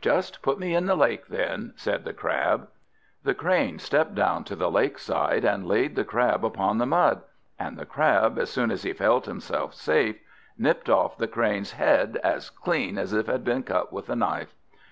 "Just put me in the lake, then," said the Crab. The Crane stepped down to the lakeside, and laid the Crab upon the mud. And the Crab, as soon as he felt himself safe, nipped off the Crane's head as clean as if it had been cut with a knife.